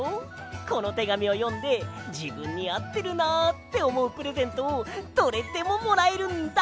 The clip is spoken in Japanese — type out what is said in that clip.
このてがみをよんでじぶんにあってるなあっておもうプレゼントをどれでももらえるんだ！